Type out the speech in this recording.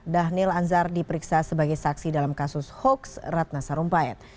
dhanil anzar diperiksa sebagai saksi dalam kasus hoaks ratna sarumpayat